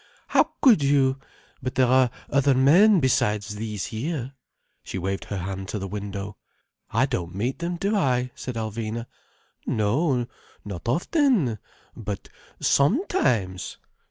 How could you? But there are other men besides these here—" She waved her hand to the window. "I don't meet them, do I?" said Alvina. "No, not often. But sometimes!